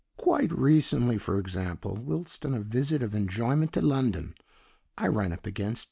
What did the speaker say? Quite recently, for example, whilst on a visit of enjoyment to London, I ran up against T.